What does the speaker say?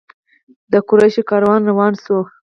د قریشو کاروان روان شو.